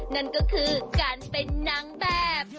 นั่นก็คือการเป็นนางแบบ